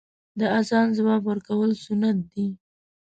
د اذان ځواب ورکول سنت دی .